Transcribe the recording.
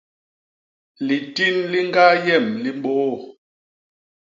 Litin li ñgaa yem li mbôô.